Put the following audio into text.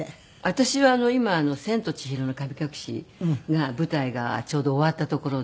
私は今『千と千尋の神隠し』が舞台がちょうど終わったところで。